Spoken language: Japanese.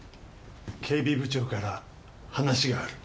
警備部長から話がある。